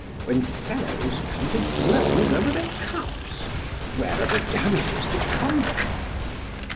When fellows come to blows over their cups, where are the damages to come from?